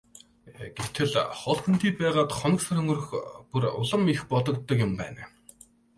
Гэтэл хол хөндий байгаад хоног сар өнгөрөх бүр улам их бодогддог юм байна.